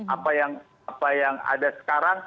apa yang ada sekarang